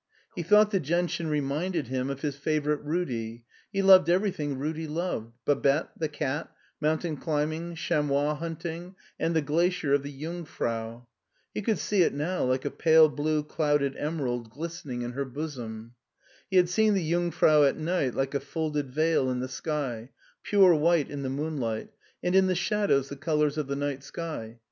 He thought the gentian reminded him of his favorite Rudi: he loved everything Rudi loved — Babette, the cat, mountain climbing, chamois hunting, and the glacier of the Jungf rau. He could see it now like a pale blue clouded emerald glistening in her bosom. He had seen the Jungfrau at night like a folded veil in the sky, pure white in the moonlight, and in the shadows the colors of the night sky.